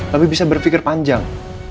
lebih bisa berpikir panjang